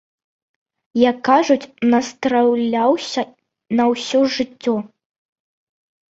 Як кажуць, настраляўся на ўсё жыццё.